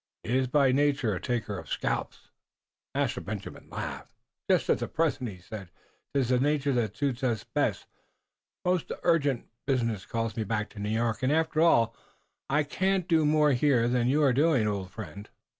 He iss by nature a taker of scalps." Master Benjamin laughed. "Just at present," he said, "'tis the nature that suits us best. Most urgent business calls me back to New York, and, after all, I can't do more here than you are doing, old friend."